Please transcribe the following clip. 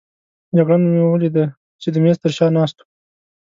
جګړن مې ولید چې د مېز تر شا ناست وو.